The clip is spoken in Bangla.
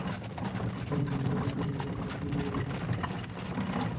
আমাদের তরুণ-তরুণীরা এখন তথ্যপ্রযুক্তি নিয়ে সুন্দর জীবন গড়ে তোলার স্বপ্ন দেখছে।